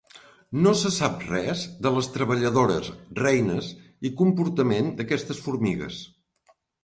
No se sap res de les treballadores, reines i comportament d'aquestes formigues.